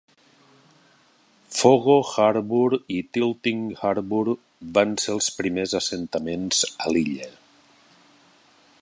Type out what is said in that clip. Fogo Harbour i Tilting Harbour van ser els primers assentaments a l'illa.